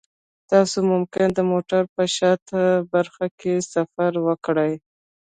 تاسو ممکن د موټر په شاته برخه کې سفر وکړئ